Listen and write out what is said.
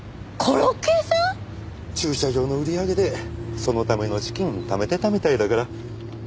駐車場の売り上げでそのための資金ためてたみたいだから。